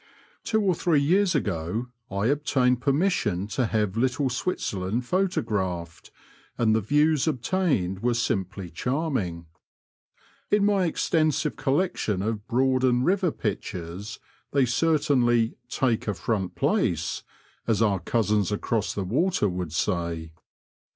Two or three years ago I obtained permission to have Little Switzerland photographed, and the views obtained were simply charming. In my extensive collection of Broad and River pictures they certainly " take a front place," as our cousins across the water would say.